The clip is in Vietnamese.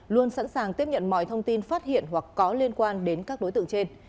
luôn sẵn sàng tiếp nhận mọi thông tin phát hiện hoặc có liên quan đến các đối tượng trên